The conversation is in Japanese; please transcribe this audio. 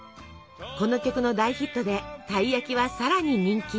この曲の大ヒットでたい焼きはさらに人気に。